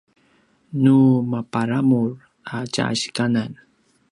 nu maparamur a tja sikanan